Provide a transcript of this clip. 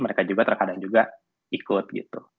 mereka juga terkadang juga ikut gitu